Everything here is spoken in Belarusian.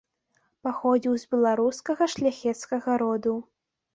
Паходзіў з беларускага шляхецкага роду.